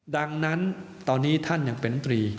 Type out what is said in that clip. ดังนั้นตอนนี้ท่านยังเป็นตรี